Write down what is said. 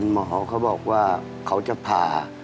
หมอเขาบอกว่าเขาจะผ่า